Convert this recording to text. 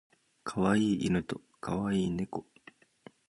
可愛い犬と可愛い猫